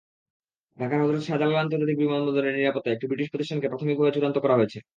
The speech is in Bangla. ঢাকার হজরত শাহজালাল আন্তর্জাতিক বিমানবন্দরের নিরাপত্তায় একটি ব্রিটিশ প্রতিষ্ঠানকে প্রাথমিকভাবে চূড়ান্ত করা হয়েছে।